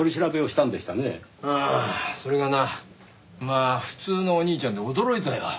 ああそれがなまあ普通のお兄ちゃんで驚いたよ。